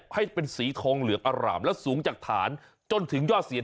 ให้เป็นสีทองเหลืองอร่ามและสูงจากฐานจนถึงยอดเสียน